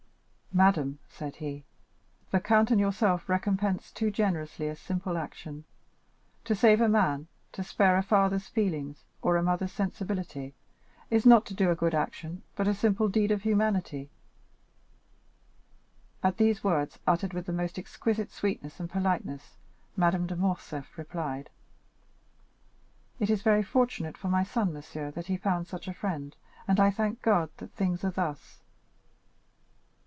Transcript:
"Madame," said he, "the count and yourself recompense too generously a simple action. To save a man, to spare a father's feelings, or a mother's sensibility, is not to do a good action, but a simple deed of humanity." At these words, uttered with the most exquisite sweetness and politeness, Madame de Morcerf replied: "It is very fortunate for my son, monsieur, that he found such a friend, and I thank God that things are thus."